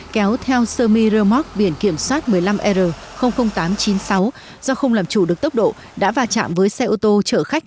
kéo theo semi remote biển kiểm soát một mươi năm r tám trăm chín mươi sáu do không làm chủ được tốc độ đã vào chạm với xe ô tô trợ khách